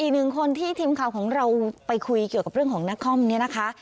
หนึ่งคนที่ทีมข่าวของเราไปคุยเกี่ยวกับเรื่องของนครเนี่ยนะคะ